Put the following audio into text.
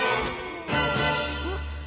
あっ。